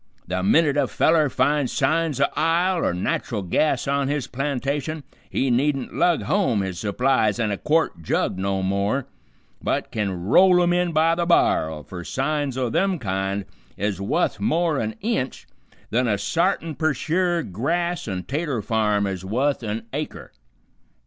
The minute a feller finds signs o' ile or nat'ral gas on his plantation he needn't lug home his supplies in a quart jug no more, but kin roll 'em in by the bar'l, fer signs o' them kind is wuth more an inch th'n a sartin per sure grass an' 'tater farm is wuth an acre."